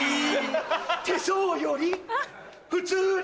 手相より普通に